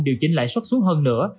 điều chỉnh lại xuất xuống hơn nữa